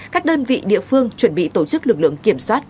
các đơn vị địa phương chuẩn bị tổ chức lực lượng kiểm soát